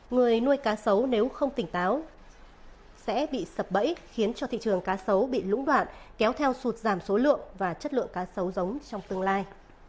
người nuôi cá sấu nếu không tỉnh táo sẽ bị sập bẫy khiến cho thị trường cá sấu bị lũng đoạn kéo theo sụt giảm số lượng và chất lượng cá sấu giống trong tương lai